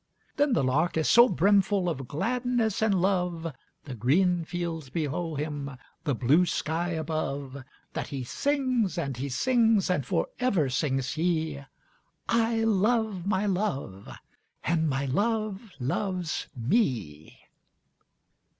But the Lark is so brimful of gladness and love, The green fields below him, the blue sky above, That he sings, and he sings; and for ever sings he 'I love my Love, and my Love loves me!'